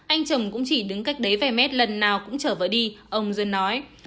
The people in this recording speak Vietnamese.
anh chồng cũng chỉ đứng cách đấy vài mét lần nào cũng trở vời đi ông duân nói